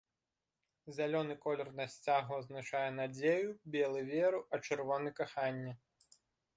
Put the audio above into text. Зялёны колер на сцягу азначае надзею, белы веру, а чырвоны каханне.